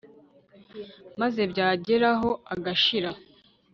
maze byageraho agashira